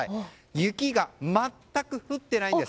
雪が全く降っていないんです。